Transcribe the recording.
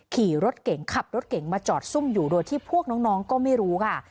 ขี่รถเก่งขับรถเก่งมาจอดซุ่มอยู่โดยที่พวกน้องก็ไม่รู้ค่ะ